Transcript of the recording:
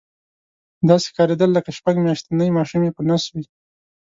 داسې ښکارېدل لکه شپږ میاشتنی ماشوم یې په نس وي.